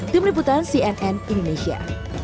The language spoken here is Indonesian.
tim liputan cnn indonesia